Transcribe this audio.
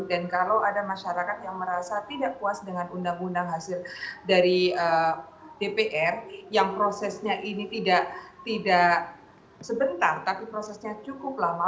dan kalau ada masyarakat yang merasa tidak puas dengan undang undang hasil dari dpr yang prosesnya ini tidak sebentar tapi prosesnya cukup lama